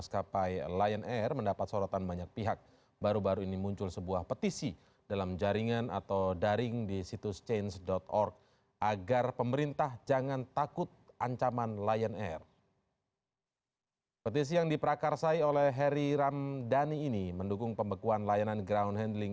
kami belum bisa menyimpulkan